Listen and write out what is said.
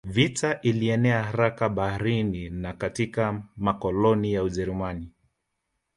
Vita ilienea haraka Baharini na katika makoloni ya Ujerumani